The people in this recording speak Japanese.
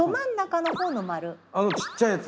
あのちっちゃいやつ？